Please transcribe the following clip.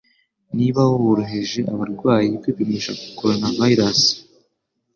Niba wohereje abarwayi bawe kwipimisha coronavirus.